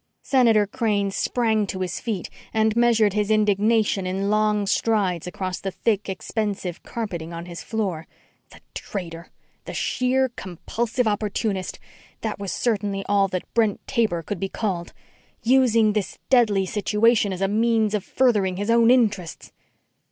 Senator Crane sprang to his feet and measured his indignation in long strides across the thick, expensive carpeting on his floor. The traitor! The sheer, compulsive opportunist! That was certainly all that Brent Taber could be called. Using this deadly situation as a means of furthering his own interests.